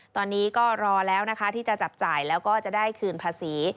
ตอนนี้ก็รอแล้วนะคะที่จะจับจ่ายแล้วก็จะได้คืนภาษี